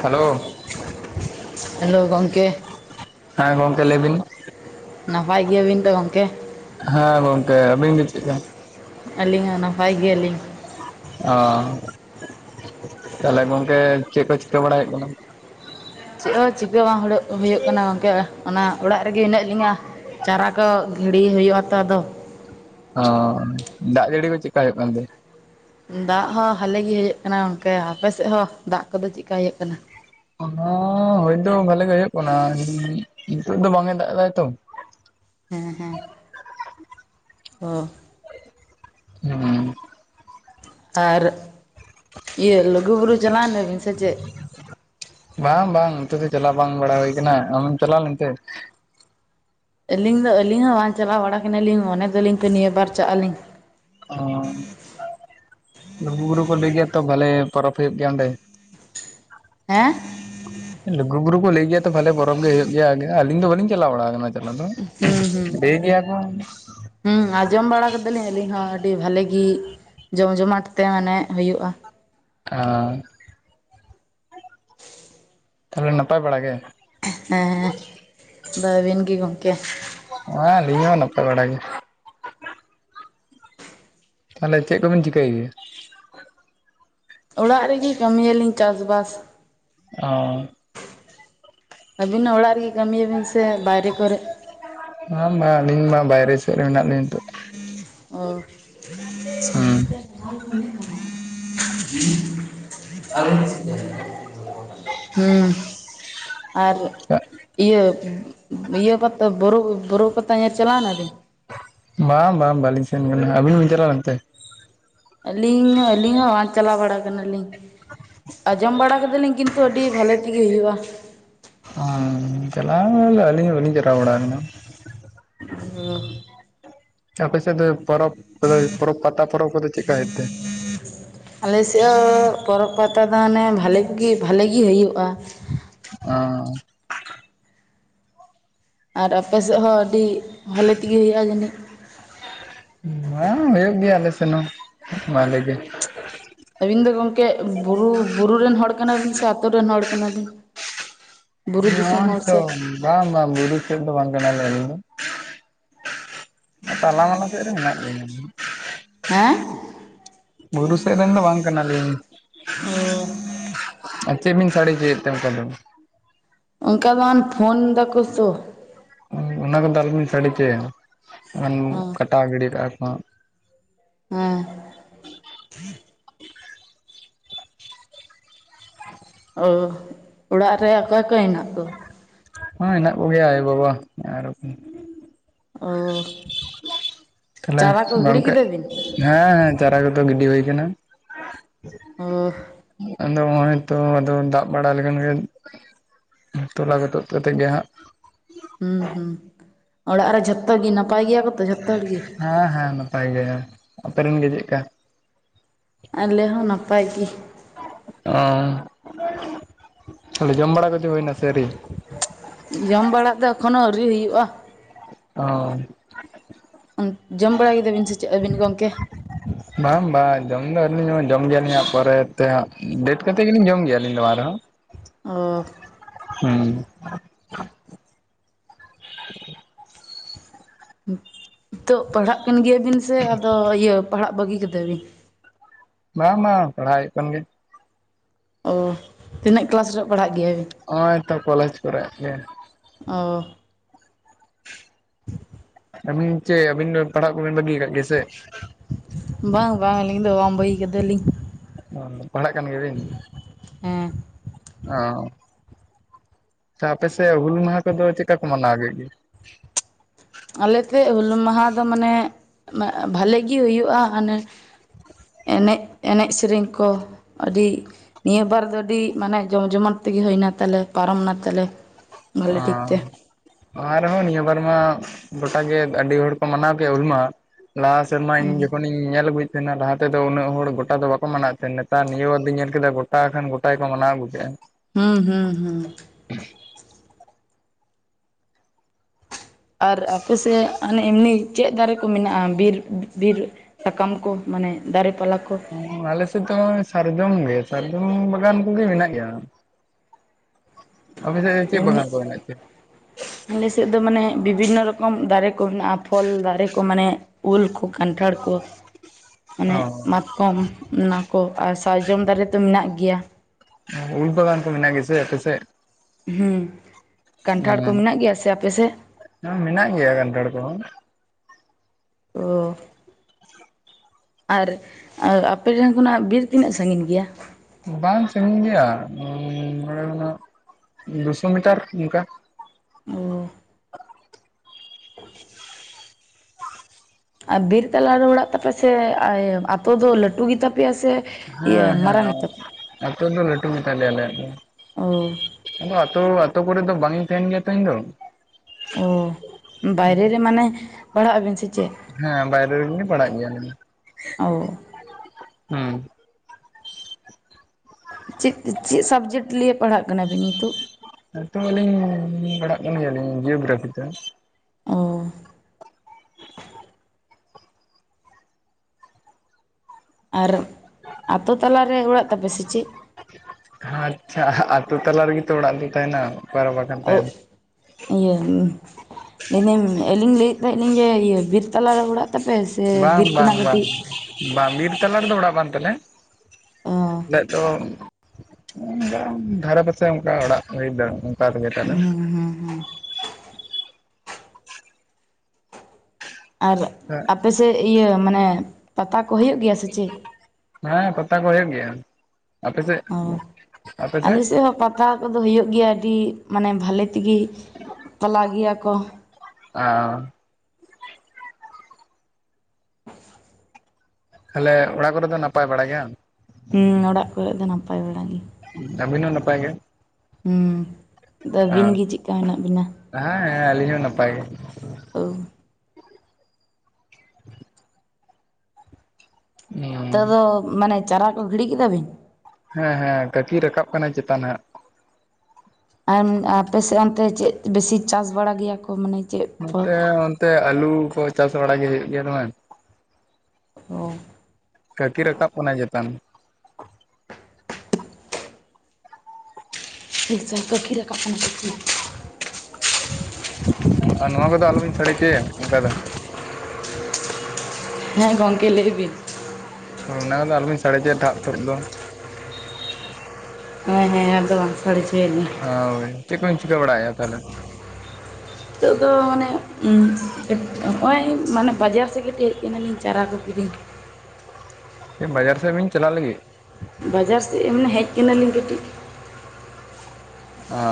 Hello hello ᱜᱚᱢᱠᱮ ᱦᱮᱸ ᱜᱚᱢᱠᱮ ᱞᱟᱹᱭ ᱵᱤᱱ ᱱᱟᱯᱟᱭ ᱜᱮᱭᱟᱵᱤᱱ ᱛᱚ ᱜᱚᱢᱠᱮ? ᱦᱮᱸ ᱜᱚᱝᱠᱮ ᱟᱹᱵᱤᱱ ᱫᱚ ᱪᱮᱫᱠᱟ? ᱟᱹᱞᱤᱧ ᱦᱚᱸ ᱱᱟᱯᱟᱭ ᱜᱮᱭᱟᱞᱤᱧ᱾ ᱚ ᱛᱟᱦᱚᱞᱮ ᱜᱚᱝᱠᱮ ᱪᱮᱫ ᱠᱚ ᱪᱤᱠᱟᱹ ᱵᱟᱲᱟ ᱦᱩᱭᱩᱜ ᱠᱟᱱᱟ? ᱪᱮᱫ ᱦᱚᱸ ᱪᱤᱠᱟᱹ ᱵᱟᱝ ᱦᱩᱲᱳᱜ ᱦᱩᱭᱩᱜ ᱠᱟᱱᱟ ᱜᱚᱢᱠᱮ ᱚᱱᱟ ᱚᱲᱟᱜ ᱨᱮᱜᱮ ᱦᱤᱱᱟᱜ ᱞᱤᱧᱟᱹ᱾ ᱪᱟᱨᱟ ᱠᱚ ᱜᱤᱰᱤ ᱦᱩᱭᱩᱜᱼᱟ ᱛᱚ ᱟᱫᱚ᱾ ᱚᱻ ᱫᱟᱜ ᱡᱟᱹᱲᱤ ᱠᱚ ᱪᱮᱠᱟ ᱦᱩᱭᱩᱜ ᱠᱟᱱᱛᱮ? ᱫᱟᱜ ᱦᱚᱸ ᱵᱷᱟᱞᱮ ᱜᱮ ᱦᱩᱭᱩᱜ ᱠᱟᱱᱟ ᱚᱱᱠᱮ ᱟᱯᱮᱥᱮᱫ ᱦᱚᱸ ᱫᱟᱜ ᱠᱚᱫᱚ ᱪᱮᱜᱠᱟ ᱦᱩᱭᱩᱜ ᱠᱟᱱᱟ ᱦᱳᱭ ᱫᱚ ᱵᱷᱟᱜᱞᱤ ᱜᱮ ᱦᱩᱭᱩᱜ ᱠᱟᱱᱟ ᱱᱤᱛᱳ ᱫᱚ ᱵᱟᱝ ᱮ ᱫᱟᱜ ᱮᱫᱟᱭᱛᱚ ᱦᱮᱸ ᱦᱮᱸ ᱚ [unintelligible] ᱟᱨ ᱤᱭᱟᱹ ᱞᱩᱜᱩᱵᱩᱨᱩ ᱪᱟᱞᱟᱣᱱᱟᱵᱤᱱ ᱥᱮ ᱪᱮᱫ ᱵᱟᱝ ᱵᱟᱝ ᱚᱱᱛᱮ ᱫᱚ ᱪᱟᱞᱟᱣ ᱵᱟᱝ ᱵᱟᱲᱟ ᱦᱩᱭ ᱠᱟᱱᱟ ᱟᱢᱮᱢ ᱪᱟᱞᱟᱣ ᱞᱮᱱᱛᱮ ᱟᱹᱞᱤᱧ ᱫᱚ ᱟᱹᱞᱤᱧ ᱦᱚᱸ ᱵᱟᱝ ᱪᱟᱞᱟᱣ ᱵᱟᱲᱟ ᱠᱟᱱᱟᱹᱞᱤᱧ ᱢᱚᱱ ᱮᱫᱟᱞᱤᱧ ᱛᱚ ᱱᱤᱭᱟᱹ ᱵᱟᱨ ᱪᱟᱜ ᱟᱹᱞᱤᱧ ᱚ ᱞᱩᱜᱩᱵᱩᱨᱩ ᱠᱚ ᱞᱟᱹᱭ ᱜᱮᱭᱟ ᱛᱚ ᱵᱷᱟᱞᱮ ᱯᱚᱨᱚᱵᱽ ᱦᱩᱭᱩᱜ ᱜᱮᱭᱟ ᱚᱸᱰᱮ ᱦᱮᱸ ᱞᱩᱜᱩᱵᱩᱨᱩ ᱠᱚ ᱞᱟᱹᱭ ᱜᱮᱭᱟ ᱛᱚ ᱵᱷᱟᱞᱮ ᱵᱚᱨᱚᱵᱷ ᱜᱮ ᱦᱩᱭᱩᱜ ᱜᱮᱭᱟ ᱟᱹᱞᱤᱧ ᱫᱚ ᱵᱟᱹᱞᱤᱧ ᱪᱟᱞᱟᱣ ᱵᱟᱲᱟ ᱟᱠᱟᱱᱟ ᱦᱩᱸ ᱦᱩᱸ ᱰᱟᱹᱭᱱᱤᱭᱟᱜ ᱦᱩᱸ ᱟᱸᱡᱚᱢ ᱵᱟᱲᱟ ᱠᱟᱫᱟᱞᱤᱧ ᱟᱹᱞᱤᱧ ᱦᱚᱸ ᱟᱹᱰᱤ ᱵᱷᱟᱞᱤ ᱜᱮ ᱡᱚᱢᱡᱚᱢᱟᱴ ᱛᱮ ᱢᱟᱱᱮ ᱦᱩᱭᱩᱜᱼᱟ ᱚ ᱛᱟᱦᱚᱞᱮ ᱱᱟᱯᱟᱭ ᱵᱟᱲᱟ ᱜᱮ ᱦᱮᱸ ᱦᱮᱸ [unintelligible] ᱟᱹᱵᱤᱱ ᱜᱮ ᱜᱚᱝᱠᱮ ᱦᱚᱸ ᱟᱹᱞᱤᱧ ᱦᱚᱸ ᱱᱟᱯᱟᱭ ᱵᱟᱲᱟ ᱜᱮ ᱛᱟᱦᱚᱞᱮ ᱪᱮᱫ ᱠᱚᱵᱤᱱ ᱪᱤᱠᱟᱹᱭ ᱜᱮᱭᱟ ᱚᱲᱟᱜ ᱨᱮᱜᱮ ᱠᱟᱹᱢᱤᱭᱟᱞᱤᱧ ᱪᱟᱥᱵᱟᱥ ᱚᱸᱻ ᱟᱹᱵᱤᱱᱟᱜ ᱚᱲᱟᱜ ᱨᱮᱜᱮ ᱠᱟᱹᱢᱤ ᱭᱟᱵᱤᱱ ᱥᱮ ᱵᱟᱭᱨᱮ ᱠᱚᱨᱮ ᱵᱟᱝ ᱵᱟᱝ ᱟᱸᱞᱤᱧ ᱢᱟ ᱵᱟᱭᱨᱮ [unintelligible] ᱪᱮᱫ ᱨᱮ ᱢᱮᱱᱟᱜ ᱞᱤᱧᱟ ᱱᱤᱛᱚᱜ ᱦᱮᱸ [unintelligible] ᱦᱮᱸ ᱟᱨ ᱤᱭᱟᱹ ᱤᱭᱟᱹ ᱯᱟᱛᱟ ᱵᱩᱨᱩ ᱵᱩᱨᱩ ᱯᱟᱛᱟ ᱧᱮᱞ ᱪᱟᱞᱟᱣᱱᱟ ᱵᱤᱱ ᱵᱟᱝ ᱵᱟᱝ ᱵᱟᱹᱞᱤᱧ ᱥᱮᱱ ᱞᱮᱱᱟ ᱟᱹᱵᱤᱱ ᱵᱤᱱ ᱪᱟᱞᱟᱣ ᱞᱮᱱᱛᱮ ᱟᱹᱞᱤᱧ ᱟᱹᱞᱤᱧ ᱦᱚᱸ ᱵᱟᱝ ᱪᱟᱞᱟᱣ ᱵᱟᱲᱟ ᱠᱟᱱᱟᱞᱤᱧ ᱟᱸᱡᱚᱢ ᱵᱟᱲᱟ ᱠᱮᱫᱟᱞᱤᱧ ᱠᱤᱱᱛᱩ ᱟᱹᱰᱤ ᱵᱷᱟᱞᱮ ᱛᱮᱜᱮ ᱦᱩᱭᱩᱜᱼᱟ ᱦᱸ ᱪᱟᱞᱟᱣ ᱞᱮᱱᱟᱞᱮ ᱟᱞᱤᱧ ᱵᱟᱞᱤᱧ ᱪᱟᱞᱟᱣ ᱵᱟᱲᱟ ᱟᱠᱟᱱᱟ [unintelligible] ᱟᱯᱮ ᱥᱮᱫ ᱫᱚ ᱯᱚᱨᱚᱵᱽ ᱠᱚ ᱯᱚᱨᱚᱵᱽ ᱯᱟᱛᱟ ᱯᱚᱨᱚᱵᱽ ᱠᱚᱫᱚ ᱪᱮᱫᱠᱟ ᱦᱩᱭᱩᱜ ᱛᱮ? ᱟᱞᱮᱥᱮᱫ ᱦᱚᱸ ᱯᱚᱨᱚᱵᱽ ᱯᱟᱛᱟ ᱫᱚ ᱟᱱᱮ ᱵᱷᱟᱞᱮ ᱵᱷᱟᱞᱮ ᱜᱮ ᱦᱩᱭᱩᱜᱼᱟ ᱚᱸᱻ ᱟᱨ ᱟᱯᱮ ᱥᱮᱫ ᱦᱚᱸ ᱟᱹᱰᱤ ᱵᱷᱟᱞᱮ ᱛᱮᱜᱮ ᱦᱩᱭᱩᱜᱼᱟ ᱡᱟᱹᱱᱤᱡ ᱢᱟ ᱦᱩᱭᱩᱜ ᱜᱮᱭᱟ ᱟᱞᱮ ᱥᱮᱱ ᱦᱚᱸ ᱵᱷᱟᱞᱮ ᱜᱮ ᱟᱹᱵᱤᱱ ᱫᱚ ᱜᱚᱢᱠᱮ ᱵᱩᱨᱩ ᱵᱩᱨᱩ ᱨᱮᱱ ᱦᱚᱲ ᱠᱟᱱᱟ ᱵᱤᱱ ᱥᱮ ᱟᱛᱳ ᱨᱮᱱ ᱦᱚᱲ ᱠᱟᱱᱟ ᱵᱤᱱ? ᱱᱚᱭ ᱛᱚ ᱵᱟᱝ ᱵᱟᱝ ᱵᱩᱨᱩ ᱯᱦᱮᱵ ᱫᱚ ᱵᱟᱝ ᱠᱟᱱᱟ ᱞᱤᱧ ᱟᱞᱤᱧ ᱫᱚ ᱛᱟᱞᱟ ᱢᱟᱞᱟ ᱥᱮᱫ ᱨᱮ ᱢᱮᱱᱟᱜ ᱞᱤᱧᱟ ᱮᱸᱻ ᱵᱩᱨᱩ ᱥᱮᱫ ᱨᱤᱱ ᱫᱚ ᱵᱟᱝ ᱠᱟᱱᱟ ᱞᱤᱧ ᱟᱨ ᱪᱮᱫ ᱵᱤᱱ ᱥᱟᱰᱮ ᱦᱚᱪᱚ ᱮᱫ ᱛᱮ ᱚᱱᱠᱟ‌ ᱫᱚ? ᱚᱱᱠᱟ ᱫᱚ ᱦᱟᱱ ᱯᱷᱳᱱ ᱫᱟᱠᱚ ᱛᱚ ᱚᱱᱟ ᱠᱚᱫᱚ ᱟᱞᱚ ᱵᱤᱱ ᱥᱟᱰᱮ ᱦᱚᱪᱚᱭᱟ ᱵᱟᱝᱠᱦᱟᱱ ᱦᱮᱸ ᱠᱟᱴᱟᱣ ᱜᱤᱰᱤ ᱠᱟᱜᱼᱟ ᱠᱚ ᱱᱦᱟᱜ ᱦᱮᱸ ᱚ ᱚᱲᱟᱜ ᱨᱮ ᱚᱠᱚᱭ ᱠᱚ ᱦᱮᱱᱟᱜ ᱠᱚᱣᱟ? ᱦᱮ ᱦᱮᱱᱟᱜ ᱠᱚᱜᱮᱭᱟ ᱟᱭᱳᱼ ᱵᱟᱵᱟ ᱟᱨᱚᱠᱚᱭ ᱚ ᱛᱟᱦᱞᱮ ᱪᱟᱨᱟ ᱠᱚ ᱜᱤᱰᱤ ᱜᱚᱝᱠᱮ ᱠᱮᱫᱟ ᱵᱤᱱ ᱦᱮᱸ ᱦᱮᱸ ᱪᱟᱨᱟ ᱠᱚᱫᱚ ᱜᱤᱰᱤ ᱦᱩᱭ ᱠᱟᱱᱟ ᱚᱦᱻ ᱟᱫᱚ ᱱᱚᱜᱚᱭ ᱛᱚ ᱟᱫᱚ ᱫᱟᱜ ᱵᱟᱲᱟ ᱞᱮᱠᱷᱟᱱ ᱜᱮ ᱛᱚᱞᱟ ᱜᱚᱫᱚᱜ ᱛᱚ ᱛᱮ ᱜᱮ ᱦᱟᱸᱜ ᱦᱩᱸ ᱦᱩᱸ ᱚᱲᱟᱜ ᱨᱮ ᱡᱷᱚᱛᱚ ᱜᱮ ᱱᱟᱯᱟᱭ ᱜᱮᱭᱟ ᱠᱚᱛᱚ ᱡᱷᱚᱛᱚ ᱦᱚᱲ ᱜᱮ ᱦᱮᱸ ᱦᱮᱸ ᱱᱟᱯᱟᱭ ᱜᱮ ᱟᱯᱮ ᱨᱮᱱ ᱜᱮ ᱪᱮᱫᱠᱟ? ᱟᱞᱮ ᱦᱚᱸ ᱱᱟᱯᱟᱭ ᱜᱮ ᱚ‌ ᱛᱟᱦᱟᱞᱮ ᱡᱚᱢ ᱵᱲᱟ ᱠᱚᱫᱚ ᱦᱩᱭᱱᱟ ᱥᱮ ᱟᱹᱨᱤ? ᱡᱚᱢ ᱵᱟᱲᱟ ᱫᱚ ᱮᱠᱷᱚᱱᱳ ᱟᱹᱣᱨᱤ ᱦᱩᱭᱩᱜᱼᱟ ᱚᱦ ᱚᱱ ᱡᱚᱢ ᱵᱟᱲ ᱠᱮᱫᱟ ᱵᱤᱱ ᱥᱮ ᱪᱮᱫ ᱟ. ᱵᱤᱱ ᱜᱚᱝᱠᱮ? ᱵᱟᱝ ᱵᱟᱝ ᱡᱚᱢ ᱫᱚ ᱟᱹᱣᱨᱤ ᱞᱤᱧ ᱡᱚᱢᱟ ᱡᱚᱢ ᱜᱮᱭᱟᱞᱤᱧ ᱦᱟᱸᱜ ᱯᱚᱨᱮ ᱛᱮᱟᱸᱜ ᱞᱮᱴ ᱠᱟᱛᱮᱫ ᱜᱮᱞᱤᱧ ᱡᱚᱢ ᱜᱮᱭᱟ ᱟᱹᱞᱤᱧ ᱫᱚ ᱟᱨᱦᱚᱸ ᱚᱻ ᱦᱮᱸ ᱱᱤᱛᱚᱜ ᱯᱟᱲᱦᱟᱜ ᱠᱟᱱ ᱜᱮᱭᱟ ᱵᱤᱱ ᱥᱮ ᱟᱫᱚ ᱤᱭᱟᱹ ᱯᱟᱲᱦᱟᱜ ᱵᱟᱹᱜᱤ ᱠᱮᱫᱟ ᱵᱤᱱ? ᱵᱟᱝ ᱵᱟᱝ ᱯᱟᱲᱦᱟᱣ ᱦᱩᱭᱩᱜ ᱠᱟᱱ ᱜᱮ ᱚᱻ ᱛᱤᱱᱟᱹᱜ ᱠᱞᱟᱥ ᱨᱮ ᱯᱟᱲᱦᱟᱜ ᱜᱮᱭᱟ ᱵᱤᱱ? ᱱᱚᱜᱼᱚᱭ ᱛᱚ ᱠᱚᱞᱮᱡᱽ ᱠᱚᱨᱮ ᱜᱮ ᱚᱻ ᱟᱹᱵᱤᱱ ᱪᱮᱫ ᱟᱹᱵᱤᱱ ᱫᱚ ᱯᱟᱲᱦᱟᱜ ᱠᱚᱵᱤᱱ ᱵᱟᱹᱜᱤᱭᱟ ᱟᱠᱟᱫ ᱜᱮᱭᱟ ᱥᱮ? ᱵᱟᱝ ᱵᱟᱝ ᱟᱹᱞᱤᱧ ᱫᱚ ᱵᱟᱝ ᱵᱟᱹᱭᱤ ᱠᱟᱫᱟᱞᱤᱧ ᱚ ᱯᱟᱲᱦᱟᱜ ᱠᱟᱱ ᱜᱮᱵᱤᱱ ᱦᱮᱸ ᱚ ᱟᱯᱮᱥᱮᱫ ᱦᱩᱞ ᱢᱟᱦᱟ ᱠᱚᱫᱚ ᱪᱮᱫᱠᱟ ᱠᱚ ᱢᱟᱱᱟᱣᱟ ᱜᱮ? ᱟᱞᱮᱛᱮ ᱦᱩᱞ ᱢᱟᱦᱟ ᱫᱚ ᱢᱟᱱᱮ ᱵᱷᱟᱞᱮᱜ ᱜᱮ ᱦᱩᱭᱩᱜᱼᱟ ᱦᱚᱱᱮ ᱮᱱᱮᱡ ᱮᱱᱮᱡ ᱥᱮᱨᱮᱧ ᱠᱚ ᱟᱹᱰᱤ ᱱᱤᱭᱟᱹ ᱵᱟᱨ ᱫᱚ ᱟᱹᱰᱤ ᱢᱟᱱᱮ ᱡᱚᱢ ᱡᱚᱢᱟᱴ ᱛᱮᱜᱮ ᱦᱩᱭᱱᱟ ᱛᱟᱞᱮ ᱯᱟᱨᱚᱢ ᱮᱱᱟ ᱛᱟᱞᱮ ᱵᱷᱟᱞᱮ ᱴᱷᱤᱠ ᱛᱮ ᱚᱸᱻ ᱟᱨᱦᱚᱸ ᱱᱤᱭᱟᱹ ᱵᱟᱨ ᱢᱟ ᱜᱚᱴᱟ ᱜᱮ ᱟᱹᱰᱤ ᱦᱚᱲ ᱠᱚ ᱢᱟᱱᱟᱣ ᱠᱮᱫ ᱦᱩᱞ ᱢᱟᱦᱟ ᱞᱟᱦᱟ ᱥᱮᱨᱢᱟ ᱤᱧ ᱡᱚᱠᱷᱚᱱᱧ ᱧᱮᱞ ᱟᱹᱜᱩᱭ ᱱᱟ ᱞᱟᱦᱟ ᱛᱮᱫᱚ ᱩᱱᱟᱹᱜ ᱦᱚᱲ ᱜᱚᱴᱟ ᱫᱚ ᱵᱟᱠᱚ ᱢᱟᱱᱟᱣ ᱛᱟᱦᱮᱸ ᱛᱟᱦᱮᱱᱟ ᱱᱮᱛᱟᱨ ᱱᱤᱭᱟᱹ ᱵᱟᱨ ᱫᱚᱭᱧ ᱧᱮᱞ ᱠᱮᱫᱟ ᱜᱚᱴᱟ ᱠᱷᱟᱱ ᱜᱚᱴᱟ ᱜᱮ ᱠᱚ ᱢᱟᱱᱟᱣ ᱟᱹᱜᱩ ᱠᱮᱫᱟ ᱦᱩᱸ ᱦᱩᱸ ᱦᱩᱸ [unintelligible] ᱟᱨ ᱟᱯᱮ ᱥᱮ ᱮᱢᱱ [inaudible] ᱪᱮᱫ ᱫᱟᱨᱮ ᱠᱚ ᱢᱮᱱᱟᱜᱼᱟ ᱵᱤᱨ ᱵᱤᱨ ᱥᱟᱠᱟᱢ ᱠᱚ ᱢᱟᱱᱮ ᱫᱟᱨᱮ ᱯᱟᱞᱟ ᱠᱚ? ᱟᱞᱮᱥᱮᱫ ᱫᱚ ᱥᱟᱨᱡᱚᱢ ᱜᱮ ᱥᱟᱨᱡᱚᱢ ᱵᱟᱜᱟᱱ ᱠᱚᱜᱮ ᱢᱮᱱᱟᱜ ᱜᱮᱭᱟ ᱟᱵ ᱥᱮ ᱪᱮᱝ ᱮᱢᱱᱤ ᱵᱟᱜᱟᱱ ᱠᱚ ᱵᱮ ᱛᱮ? ᱟᱞᱮ ᱥᱮᱫ ᱫᱚ ᱢᱟᱱᱮ ᱵᱤᱵᱷᱤᱱᱱᱚ ᱨᱚᱠᱚᱢ ᱫᱟᱨᱮ ᱠᱚ ᱢᱮᱱᱟᱜᱼᱟ ᱯᱷᱚᱞ ᱫᱟᱨᱮ ᱠᱚ ᱢᱟᱱᱮ ᱩᱞ ᱠᱚ ᱠᱟᱱᱴᱷᱟᱲ ᱠᱚ ᱢᱟᱱᱮ ᱢᱟᱛ ᱚ ᱠᱚᱢ ᱚᱱᱟ ᱠᱚ ᱟᱨ ᱥᱟᱨᱡᱚᱢ ᱫᱟᱨᱮ ᱛᱚ ᱢᱮᱱᱟᱜ ᱜᱮᱭᱟ ᱩᱞ ᱵᱟᱜᱟᱱ ᱠᱚ ᱢᱮᱱᱟᱜ ᱜᱮᱭᱟ ᱥᱮ ᱟᱯᱮ ᱥᱮᱫ? ᱦᱸ ᱠᱟᱱᱴᱷᱟᱲ ᱠᱚ ᱚ ᱢᱮᱱᱟᱜ ᱜᱮᱭᱟ ᱥᱮ ᱟᱯᱮᱥᱮᱫ? ᱦᱮᱸ ᱢᱮᱱᱟᱜ ᱜᱮᱭᱟ ᱠᱟᱱᱟᱱᱴᱷᱟᱲ ᱠᱚ ᱚᱦ ᱟᱨ ᱟᱯᱮ ᱴᱷᱮᱱ ᱠᱷᱚᱱᱟᱜ ᱵᱤᱨ ᱛᱤᱱᱟᱹᱜ ᱥᱟᱺᱜᱤᱧ ᱜᱮᱭᱟ? ᱵᱟᱝ ᱥᱟᱺᱜᱤᱧ ᱜᱮᱭᱟ ᱢᱮ ᱫᱩᱥᱚ ᱢᱤᱴᱟᱨ ᱚᱱᱠᱟ ᱚ ᱵᱤᱨ ᱛᱟᱞᱟᱨᱮ ᱚᱲᱟᱜ ᱛᱟᱯ ᱥᱮ ᱟᱛᱳ ᱫᱚ ᱞᱟᱹᱴᱩ ᱜᱮᱛᱟ ᱯᱮᱭᱟ ᱥᱮ? ᱤᱭᱟᱹ ᱦᱮᱸ ᱦᱮᱸ ᱢᱟᱨᱟᱝ ᱜᱮᱛᱟ ᱯᱮᱭᱟ ᱟᱹᱛᱩ ᱫᱚ ᱞᱟᱹᱴᱩ ᱜᱮ ᱛᱟᱞᱮᱭ ᱟᱞᱮᱜᱼᱟ ᱚ ᱫᱚ ᱤᱫᱚᱛ ᱟᱛᱳ ᱠᱚᱨᱮ ᱫᱚ ᱵᱟᱝ ᱤᱧ ᱛᱟᱦᱮᱱ ᱜᱮᱭᱟ ᱛᱚ ᱤᱧ ᱫᱚ ᱚ ᱵᱟᱭᱨᱮ ᱨᱮ ᱢᱟᱱᱮ ᱯᱟᱲᱦᱟᱜ ᱟᱵᱤᱱ ᱥᱮ ᱪᱮᱫ? ᱦᱮᱸ ᱵᱟᱭᱨᱮ ᱨᱮᱜᱮ ᱯᱟᱲᱟᱜ ᱜᱮᱭᱟ ᱚ ᱦᱮᱸ ᱪᱮᱫ ᱪᱮᱫ ᱥᱟᱵᱡᱮᱠᱴ ᱞᱤᱭ ᱯᱟᱲᱦᱟᱜ ᱠᱟᱱᱟᱵᱤᱱ ᱱᱤᱛᱚᱜ? ᱦ ᱛᱚ ᱟᱹᱞᱤᱧ ᱯᱟᱲᱦᱟᱜ ᱠᱟᱱ ᱜᱮᱭᱟᱞᱤᱧ ᱡᱤᱭᱳᱜᱨᱟᱯᱷᱤ ᱛᱮ ᱚ ᱟᱨ ᱟᱛᱳ ᱛᱟᱞᱟᱨᱮ ᱚᱲᱟᱜ ᱛᱟᱯᱮ ᱥᱮ ᱪᱮᱫ ᱟᱪᱷᱟ ᱟᱛᱳ ᱛᱟᱞᱟ ᱨᱮᱜᱮ ᱛᱚ ᱚᱲᱟᱜ ᱫᱚ ᱛᱟᱦᱮᱱᱟ ᱚᱠᱟᱨᱮ ᱵᱟ ᱠᱟᱱᱟᱱ ᱚ ᱛᱟᱦᱮᱱᱟ ᱤᱭᱟᱹ ᱞᱟᱹᱭᱫᱟᱹᱧ ᱟᱞᱤᱧ ᱞᱟᱹᱭᱮᱫ ᱛᱟᱦᱮᱸ ᱞᱤᱧ ᱡᱮ ᱵᱤᱨ ᱛᱟᱞᱟᱨᱮ ᱚᱲᱟᱜ ᱛᱟᱯᱮ ᱥᱮ ᱵᱟᱝ ᱵᱤᱨᱠᱩᱱᱟ ᱵᱟᱝ ᱵᱟᱝ ᱠᱟᱹᱴᱤᱡ ᱵᱟᱝ ᱵᱤᱨ ᱛᱟᱞᱟ ᱨᱮᱫᱚ ᱚᱲᱟᱜ ᱵᱟᱝ ᱛᱟᱞᱮ ᱚ ᱱᱤᱛᱚᱜ ᱩᱸ ᱫᱟᱜ ᱫᱷᱟᱨᱮ ᱯᱟᱥᱮ ᱚᱱᱠᱟ ᱚᱲᱟᱜ ᱦᱩᱭ ᱫᱟ ᱚᱱᱠᱟ ᱛᱮᱜᱮ ᱛᱟᱦᱞᱮ ᱢᱮ ᱦᱩᱸ ᱦᱩᱸ ᱦᱩᱸ ᱟᱨ ᱟᱯᱮ ᱥᱮᱫ ᱤᱭᱟᱹ ᱢᱟᱱᱮ ᱯᱟᱛᱟ ᱠᱚ ᱦᱩᱭᱩᱜ ᱜᱮᱭᱟ ᱥᱮ ᱪᱮᱫ? ᱦᱮᱸ ᱯᱟᱛᱟ ᱠᱚ ᱦᱩᱭᱩᱜ ᱜᱮᱭᱟ ᱾ ᱟᱯᱮ ᱥᱮᱫ ᱚ ᱟᱯᱮ ᱟᱞᱮ ᱥᱮᱫ? ᱦᱚᱸ ᱯᱟᱛᱟ ᱠᱚᱫᱚ ᱦᱩᱭᱩᱜ ᱜᱮᱭᱟ ᱟᱹᱰᱤ ᱢᱟᱱᱮ ᱵᱷᱟᱞᱮ ᱛᱮᱜᱮ ᱯᱟᱞᱟ ᱜᱮᱭᱟ ᱠᱚ ᱟᱺ ᱛᱟᱦᱚᱞᱮ ᱚᱲᱟᱜ ᱠᱚᱮᱫ ᱫᱚ ᱱᱟᱯᱟᱭ ᱵᱟᱲᱟᱭ ᱜᱮᱭᱟ? ᱦᱮᱸ ᱚᱲᱟᱜ ᱠᱚᱨᱮ ᱫᱚ ᱱᱟᱯᱟᱭ ᱵᱟᱲᱟ ᱜᱮ ᱟᱵᱤᱱ ᱦᱚᱸ ᱱᱟᱯᱟᱭ ᱜᱮ ᱦᱮᱸ ᱟᱹᱵᱤᱱ ᱜᱮ ᱪᱮᱫ ᱠᱟ ᱢᱮᱱᱟᱜ ᱵᱤᱱᱟ? ᱦᱮᱸ ᱦᱮᱸ ᱟᱹᱞᱤᱧ ᱦᱚᱸ ᱱᱟᱯᱟᱭ ᱚ ᱦᱮᱸ ᱱᱤᱛᱚᱜ ᱫᱚ ᱢᱟᱱᱮ ᱪᱟᱨᱟ ᱠᱚ ᱜᱤᱲᱤ ᱠᱮᱫᱟ ᱵᱤᱱ ᱦᱮᱸ ᱦᱮᱸ ᱠᱟᱹᱠᱤ ᱨᱟᱠᱟᱵ ᱠᱟᱱᱟᱭ ᱪᱮᱛᱟᱱ ᱦᱟᱸᱜ ᱟᱨ ᱟᱯᱮ ᱥᱮᱫ ᱚᱱᱛᱮ ᱪᱮᱫ ᱵᱮᱥᱤ ᱪᱟᱥ ᱵᱟᱲᱟ ᱜᱮᱭᱟ ᱠᱚ ᱢᱟᱱᱮ? ᱪᱮᱫ ᱠᱚ? ᱱᱚᱛᱮ ᱚᱱᱛᱮ ᱟᱞᱩ ᱠᱚ ᱪᱟᱥ ᱵᱟᱲ ᱜᱮ ᱦᱩᱭᱩᱜ ᱜᱮᱭᱟ ᱛᱮ᱾ ᱚ ᱠᱟᱹᱠᱤ ᱨᱟᱠᱟᱵ ᱠᱟᱱᱟ ᱪᱮᱛᱟᱱ ᱠᱟᱹᱠᱷᱤ ᱨᱟᱠᱟᱵ ᱠᱟᱱᱟᱭ ᱥᱮ ᱪᱮᱫ? ᱟᱨ ᱱᱚᱶᱟ ᱠᱚᱫᱚ ᱟᱞᱚᱵᱮᱱ ᱥᱟᱰᱮ ᱦᱚᱪᱚᱭᱟ ᱱᱚᱝᱠᱟ ᱫᱚ ᱦᱮᱸ ᱜᱚᱢᱠᱮ ᱞᱟᱹᱭ ᱵᱤᱱ ᱦᱮ ᱚᱱᱟ ᱠᱚᱫᱚ ᱟᱞᱚ ᱵᱮᱱ ᱥᱟᱰᱮ ᱪᱚᱭᱟ ᱴᱷᱟᱯ ᱴᱩᱵ ᱫᱚ ᱦᱮᱸ ᱦᱮᱹ ᱟᱫᱚ ᱵᱟᱝ ᱥᱟᱲᱮ ᱦᱚᱪᱚᱭᱟ᱾ ᱦᱟᱹ ᱪᱮᱫ ᱠᱚ ᱵᱤᱱ ᱪᱤᱠᱟᱹ ᱵᱟᱲᱟ ᱮᱫᱟ ᱛᱟᱦᱞᱮ? ᱱᱤᱛᱚᱜ ᱫᱚ ᱢᱟᱱᱮ, ᱩᱸ ᱮᱜᱴ ᱟᱺ ᱦᱚᱸᱜᱼᱚᱧᱭ ᱢᱟᱱᱮ ᱵᱟᱡᱟᱨ ᱥᱮᱫᱜ ᱦᱮᱡ ᱟᱠᱟᱱᱟᱞᱤᱧ ᱪᱟᱨᱟ ᱠᱚ ᱠᱤᱨᱤᱧ ᱪᱮᱫ ᱵᱟᱡᱟᱨ ᱥᱮᱫ ᱵᱤᱧ ᱪᱟᱞᱟᱜ ᱞᱟᱹᱜᱤᱫ? ᱵᱟᱡᱟᱨ ᱥᱮᱫ ᱦᱮᱡ ᱟᱠᱱᱟᱞᱤᱧ ᱠᱟᱹᱴᱤᱡ ᱚᱻ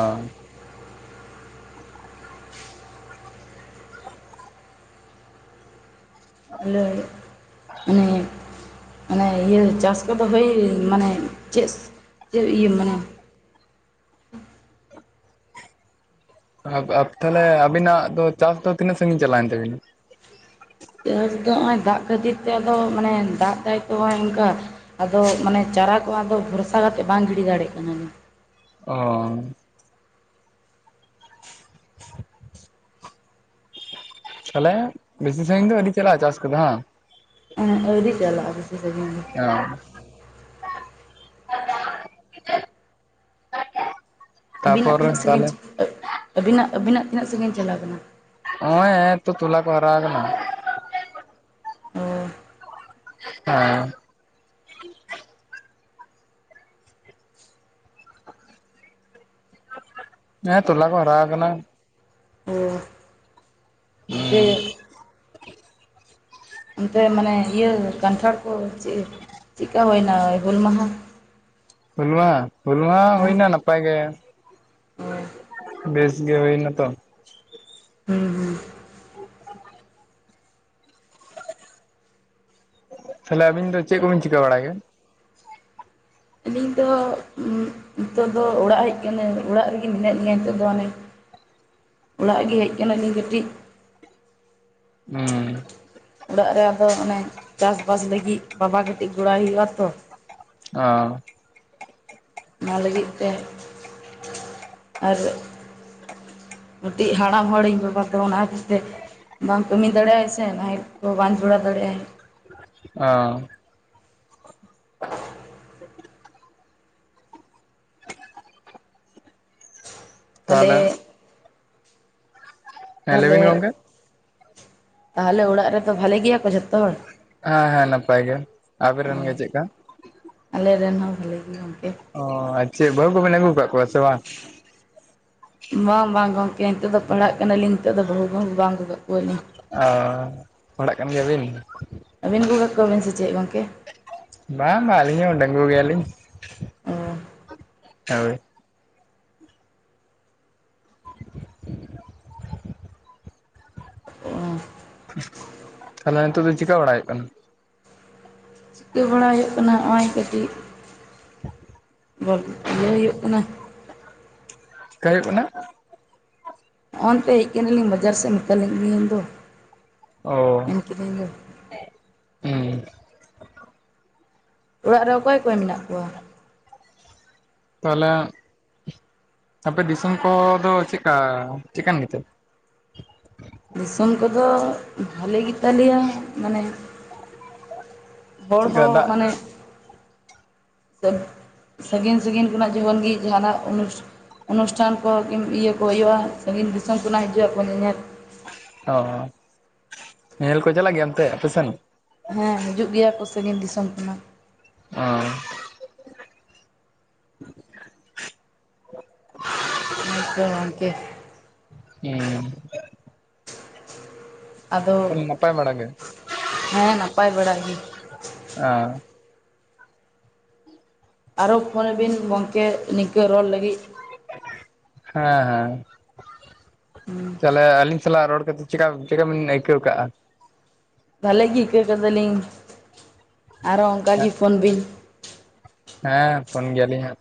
[inaudible] ᱢᱟᱱᱮ ᱤᱭᱟᱹ ᱪᱟᱥ ᱠᱚᱫᱚ [inaudible] ᱢᱟᱱᱮ ᱪᱮᱥ ᱪᱮᱜ ᱤᱭᱟᱹ ᱢᱟᱱᱮ ᱟᱵᱼᱟᱵ ᱛᱟᱦᱚᱞᱮ ᱟᱵᱤᱱᱟᱜ ᱫᱚ ᱪᱟᱥ ᱫᱚ ᱛᱤᱱᱟᱹᱜ ᱥᱟᱺᱜᱤᱧ ᱪᱟᱞᱟᱣᱮᱱ ᱛᱟᱵᱤᱱᱟ? ᱪᱟᱥ ᱫᱚ ᱱᱚᱜᱼᱚᱭ ᱫᱟᱜ ᱠᱷᱟᱹᱛᱤᱨ ᱛᱮ ᱟᱫᱚ ᱢᱟᱱᱮ ᱫᱟᱜ ᱫᱟᱭ ᱛᱚ ᱚᱝᱠᱟ᱾ ᱟᱫᱚ ᱢᱟᱱᱮ ᱪᱟᱨᱟ ᱠᱚ ᱟᱫᱚ ᱵᱷᱚᱨᱥᱟ ᱠᱟᱛᱮᱜ ᱵᱟᱝ ᱜᱤᱰᱤ ᱫᱟᱲᱮᱜ ᱠᱟᱱᱟ᱾ ᱚᱻ ᱾ [inaudible] [unintelligible] ᱵᱮᱥᱤ ᱥᱟᱺᱜᱤᱧ ᱫᱚ ᱟᱹᱫᱤ ᱪᱟᱞᱟᱜᱼᱟ ᱪᱟᱥ ᱠᱚᱫᱚ ᱦᱟᱝ? ᱮᱸ ᱟᱹᱣᱨᱤ ᱪᱟᱞᱟᱜᱼᱟ ᱵᱮᱥᱤ ᱥᱟᱹᱜᱤᱧ ᱫᱚ᱾ ᱦᱮᱸ [inaudible] ᱟᱹᱵᱤᱱᱟᱜ ᱛᱤᱱᱟᱹᱜ ᱥᱟᱺᱜᱤᱧ, ᱟᱹᱵᱤᱱᱟᱜ ᱟᱹᱵᱤᱱᱟᱜ ᱛᱤᱱᱟᱹᱜ ᱥᱟᱺᱜᱤᱧ ᱪᱟᱞᱟᱣ ᱠᱟᱱᱟ? ᱱᱚᱜᱼᱚᱭᱛᱚ ᱛᱚᱞᱟ ᱠᱚ ᱦᱟᱨᱟ ᱟᱠᱟᱱᱟ ᱚᱻ ᱦᱮᱸᱻ ᱦᱮᱸ ᱴᱚᱞᱟ ᱠᱚ ᱦᱟᱨᱟ ᱟᱠᱟᱱᱟ ᱡᱮ ᱚᱱᱛᱮ ᱢᱟᱱᱮ ᱤᱭᱟᱹ ᱠᱟᱱᱴᱷᱟᱲ ᱠᱚ ᱪᱮᱫ ᱪᱮᱫᱠᱟ ᱦᱩᱭᱮᱱᱟ ᱦᱩᱞ ᱢᱟᱦᱟ ᱦᱩᱞ ᱢᱟ ᱦᱩᱞ ᱢᱟᱦᱟ, ᱦᱩᱭ ᱦᱮᱸ ᱱᱟ ᱱᱟᱯᱟᱭ ᱜᱮ᱾ ᱚ ᱵᱮᱥ ᱜᱮ ᱦᱩᱭ ᱱᱟᱛᱚ᱾ ᱦᱩᱸ ᱦᱩᱸ ᱛᱟᱦᱚᱞᱮ ᱟᱵᱤᱱ ᱫᱚ ᱪᱮᱜ ᱠᱚᱵᱮᱱ ᱪᱤᱠᱟᱹ ᱵᱟᱲᱟ ᱜᱮᱭᱟ? ᱟᱹᱞᱤᱧ ᱫᱚ ᱩ ᱱᱤᱛᱚᱜ ᱫᱚ ᱚᱲᱟᱜ ᱦᱮᱡ ᱠᱟᱱᱟᱹ ᱚᱲᱟᱜ ᱨᱮᱜᱮ ᱢᱮᱱᱟᱜ ᱞᱤᱧᱟᱹ ᱱᱤᱛᱚᱜ ᱫᱚ ᱦᱟᱱᱮ ᱚᱲᱟᱜ ᱜᱮ ᱦᱮᱡ ᱠᱟᱱᱟᱞᱤᱧ ᱠᱟᱹᱴᱤᱡ᱾ ᱮᱸᱻ ᱚᱲᱟᱜ ᱨᱮ ᱟᱫᱚ ᱚᱱᱮ ᱪᱟᱥ ᱵᱟᱥ ᱞᱟᱹᱜᱤᱫ ᱵᱟᱵᱟ ᱠᱟᱹᱴᱤᱡ ᱜᱚᱲᱚᱼᱟᱭ ᱦᱩᱭᱩᱜᱼᱟ ᱛᱚ᱾ ᱟᱻ ᱚᱱᱟ ᱞᱟᱹᱜᱤᱫ ᱛᱮ, ᱟᱨ ᱢᱤᱫᱴᱤᱡ ᱦᱟᱲᱟᱢ ᱦᱚᱲᱤᱧ ᱵᱟᱵᱟ ᱫᱚ ᱚᱱᱟ ᱦᱩᱫᱤᱥ ᱛᱮ ᱵᱟᱝ ᱠᱟᱹᱢᱤ ᱫᱟᱲᱮᱼᱟᱭ ᱥᱮ ᱱᱟᱦᱮᱞ ᱠᱚ ᱵᱟᱝ ᱡᱚᱲᱟᱣ ᱫᱟᱲᱮᱼᱟᱭ᱾ ᱚ ᱾ ᱛᱟᱞᱮ ᱛᱟᱦᱚᱞᱮ ᱦᱮᱸ ᱛᱟᱦᱚᱞᱮ, ᱞᱟᱹᱭᱵᱤᱱ ᱜᱚᱝᱠᱮ ᱛᱟᱦᱟᱞᱮ ᱚᱲᱟᱜ ᱨᱮᱫᱚ ᱵᱷᱟᱞᱮ ᱜᱮᱭᱟ ᱠᱚ ᱡᱷᱚᱛᱚ ᱦᱚᱲ? ᱦᱮᱸ ᱦᱮᱸ, ᱱᱟᱯᱟᱭ ᱜᱮ᱾ ᱟᱵᱮ ᱨᱮᱱ ᱜᱮ ᱪᱮᱜᱠᱟ? ᱟᱞᱮᱨᱮᱱ ᱦᱚᱸ ᱵᱷᱟᱹᱞᱤ ᱜᱮ ᱜᱚᱝᱠᱮ᱾ ᱚᱸ ᱟᱼᱪᱮᱫ ᱵᱟᱹᱦᱩ ᱠᱚᱵᱮᱱ ᱟᱹᱜᱩᱣ ᱠᱟᱜ ᱠᱚᱣᱟ ᱥᱮ ᱵᱟᱝ? ᱵᱟᱝ ᱵᱟᱝ ᱜᱚᱝᱠᱮ᱾ ᱱᱤᱛᱚᱜ ᱫᱚ ᱯᱟᱲᱦᱟᱜ ᱠᱟᱱᱟᱞᱤᱧ ᱱᱤᱛᱚᱜ ᱫᱚ ᱵᱟᱹᱦᱩᱼᱠᱟᱹᱦᱚ ᱵᱟᱝ ᱟᱹᱜᱩ ᱠᱟᱜ ᱠᱩᱣᱟᱞᱤᱧ᱾ ᱟ ᱯᱟᱲᱦᱟᱜ ᱠᱟᱱ ᱜᱮᱭᱟ ᱵᱤᱱ? ᱟᱹᱵᱤᱱ ᱜᱩᱼᱟ ᱠᱚᱵᱤᱱ ᱥᱮ ᱪᱮᱫ ᱜᱚᱝᱠᱮ ᱵᱟᱝ ᱵᱟᱝ ᱟᱹᱞᱤᱧ ᱦ ᱰᱟᱝᱜᱩ ᱜᱤᱭᱟ ᱞᱤᱧ ᱚ ᱦᱚᱭ ᱚ ᱛᱟᱦᱚᱞᱮ ᱱᱤᱛᱚᱜ ᱫᱚ ᱪᱤᱠᱟ ᱵᱟᱲᱟᱭᱚᱜ ᱠᱟᱱᱟ ᱴᱷᱤᱠᱟ ᱵᱟᱲᱟ ᱦᱩᱭᱩᱜ ᱠᱟᱱᱟ ᱱᱚᱜᱼᱚᱭ ᱠᱟᱴᱤᱡ ᱤᱭᱟᱹ ᱦᱩᱭᱩᱜ ᱠᱟᱱᱟ ᱪᱤᱠᱟ ᱦᱩᱭᱩᱜ ᱠᱟᱱᱟ ᱚᱱ ᱛᱮ ᱦᱮᱡ ᱟᱠᱟᱱᱟᱞᱤᱧ ᱵᱟᱡᱟᱨ ᱥᱮᱱ ᱢᱮᱛᱟ ᱞᱮᱧ ᱫᱚ ᱚᱸᱻ [inaudible] ᱫᱚ ᱚᱲᱟᱜ ᱨᱮ ᱚᱠᱚᱭ ᱚᱠᱚᱭ ᱢᱮᱱᱟᱜ ᱠᱚᱣᱟ ᱛᱟᱦᱚᱞᱮ ᱟᱯᱮ ᱫᱤᱥᱚᱢ ᱠᱚᱫᱚ ᱪᱮᱫᱠᱟ ᱪᱮᱠᱟᱱ ᱜᱮᱛᱮ ᱫᱤᱥᱚᱢ ᱠᱚᱫᱚ ᱵᱷᱟᱞᱤ ᱜᱮᱛᱟᱞᱮᱭᱟ ᱢᱟᱱᱮ ᱦᱚᱲ ᱪᱮᱫᱠᱟ ᱦᱚᱸ ᱫᱟᱜ ᱢᱟᱱᱮ ᱥᱟᱺᱜᱤᱧ ᱥᱟᱺᱜᱤᱧ ᱠᱷᱚᱱᱟᱜ ᱡᱚᱠᱷᱚᱱ ᱜᱮ ᱡᱟᱦᱟᱱᱟᱜ ᱟᱱᱩᱥ ᱚᱱᱩᱥᱴᱷᱟᱱ ᱠᱚ ᱠᱤ ᱤᱭᱟᱹ ᱠᱚ ᱦᱩᱭᱩᱜᱼᱟ ᱥᱟᱺᱜᱤᱧ ᱫᱤᱥᱚᱢ ᱠᱷᱚᱱᱟᱜ ᱦᱤᱡᱩᱜᱼᱟᱠ ᱧᱮᱧᱮᱞ ᱚ ᱧᱮᱧᱮᱞ ᱠᱚ ᱪᱟᱞᱟᱜ ᱜᱮᱭᱟ ᱮᱱᱛᱮ ᱟᱯᱮᱥᱮᱱ ᱦᱮᱸ ᱦᱤᱡᱩᱜ ᱜᱮᱭᱟ ᱠᱚ ᱥᱟᱹᱜᱤᱧ ᱫᱤᱥᱚᱢ ᱠᱷᱚᱱᱟᱜ ᱚᱸᱻ [inaudible] ᱜᱚᱝᱠᱮ ᱦᱮᱸ [inaudible] ᱟᱫᱚ ᱛᱟᱦᱚᱞᱮ ᱱᱟᱯᱟᱭ ᱵᱟᱲᱟ ᱜᱮ ᱦᱮᱸ ᱱᱟᱯᱟᱭ ᱵᱟᱲᱟᱜ ᱜᱮ ᱟᱻ ᱟᱨᱚ ᱯᱷᱳᱱᱟᱵᱤᱱ ᱜᱚᱝᱠᱮ ᱱᱤᱝᱠᱟᱹ ᱨᱚᱲ ᱞᱟᱜᱤᱫ ᱦᱮᱸ ᱦᱮᱸ ᱛᱟᱦᱚᱞᱮ ᱟᱹᱞᱤᱧ ᱥᱟᱞᱟᱜ ᱨᱚᱲ ᱠᱟᱛᱮ ᱪᱮᱠᱟ ᱪᱮᱠᱟ ᱵᱮᱱ ᱟᱹᱭᱠᱟᱹᱣ ᱠᱟᱜᱼᱟ ᱵᱷᱟᱞᱤ ᱜᱮ ᱟᱹᱠᱟᱹᱣ ᱠᱟᱫᱟᱞᱤᱧ ᱟᱨᱚ ᱚᱱᱠᱟ ᱜᱮ ᱯᱷᱳᱱ ᱵᱤᱱ ᱦᱮᱸ ᱯᱷᱳᱱ ᱜᱮᱭᱟᱞᱤᱧ ᱦᱟᱸᱜ